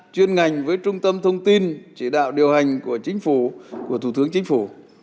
chuyên ngành với trung tâm thông tin chỉ đạo điều hành của thủ tướng chính phủ